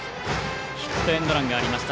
ヒットエンドランがありました。